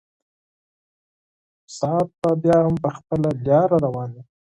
ساعت به بیا هم په خپله لاره روان وي.